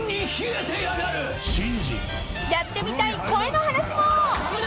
［やってみたい声の話も］